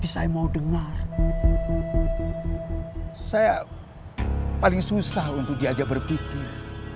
saya paling susah untuk diajak berpikir